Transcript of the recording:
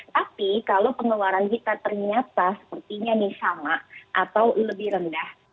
tapi kalau pengeluaran kita ternyata sepertinya nih sama atau lebih rendah